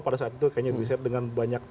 pada saat itu kayaknya riset dengan banyak